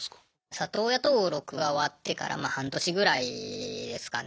里親登録が終わってからま半年ぐらいですかね。